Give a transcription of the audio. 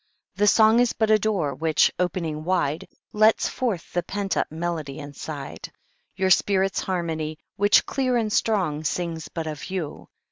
The song is but a door which, opening wide, Lets forth the pent up melody inside, Your spirit's harmony, which clear and strong Sings but of you.